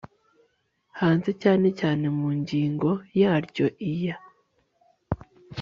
hanze cyane cyane mu ngingo zaryo iya iya